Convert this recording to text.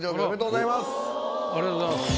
ありがとうございます。